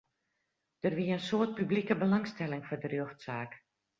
Der wie in soad publike belangstelling foar de rjochtsaak.